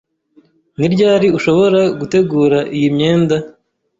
Ni ryari ushobora gutegura iyi myenda?